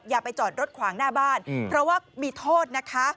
อย่าไปจอดรถขวางหน้าบ้านเพราะว่ามีโทษนะคะ